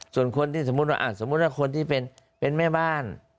ส่วนคนที่สมมุติว่าสมมุติว่าคนที่เป็นแม่บ้าน